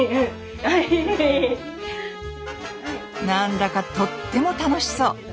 なんだかとっても楽しそう！